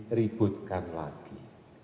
masih diributkan lagi